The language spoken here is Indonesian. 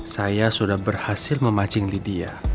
saya sudah berhasil memancing lydia